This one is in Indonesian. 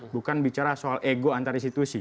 bukan bicara soal ego antar institusi